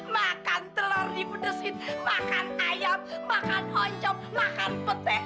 makan telur dipedesin makan ayam makan honcok makan petai